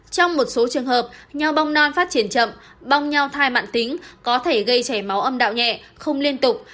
trong một số trường hợp nho bong non phát triển chậm bong nho thai mạn tính có thể gây chảy máu âm đạo nhẹ không liên tục